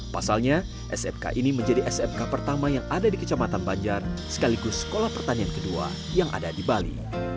pasalnya smk ini menjadi smk pertama yang ada di kecamatan banjar sekaligus sekolah pertanian kedua yang ada di bali